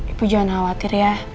ibu jangan khawatir ya